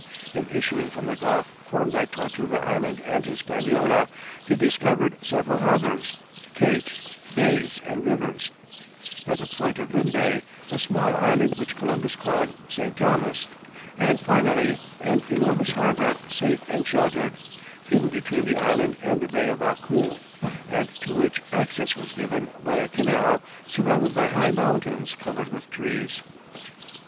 In issuing from the gulf formed by Tortuga Island and Hispaniola, they discovered several harbours, capes, bays, and rivers; at the point of Limbé, a small island which Columbus named St. Thomas, and finally, an enormous harbour safe and sheltered, hidden between the island and the Bay of Acul, and to which access was given by a canal surrounded by high mountains covered with trees.